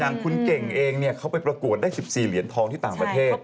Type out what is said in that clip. อย่างคุณเก่งเองเขาไปประกวดได้๑๔เหรียญทองที่ต่างประเทศ